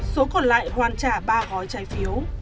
số còn lại hoàn trả ba gói trái phiếu